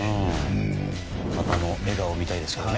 また、あの笑顔を見たいですけどね。